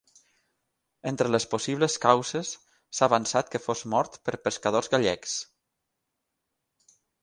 Entre les possibles causes, s'ha avançat que fos mort per pescadors gallecs.